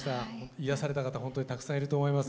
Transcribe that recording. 癒やされた方本当にたくさんいると思います。